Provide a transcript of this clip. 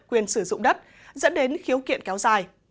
quyền sử dụng đất dẫn đến khiếu kiện kéo dài